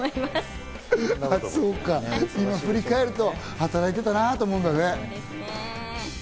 振り返ると働いてたなと思うんだね。